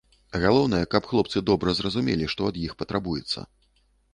Галоўнае, каб хлопцы добра зразумелі, што ад іх патрабуецца.